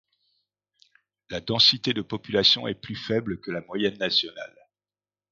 La densité de population est plus faible que la moyenne nationale.